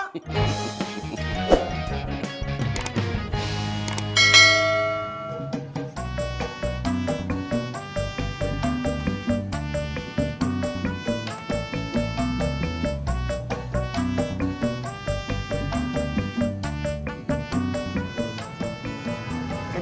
sampai jumpa lagi